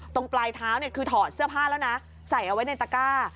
ปลายเท้าเนี่ยคือถอดเสื้อผ้าแล้วนะใส่เอาไว้ในตะก้า